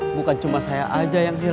bukan cuma saya aja yang hilang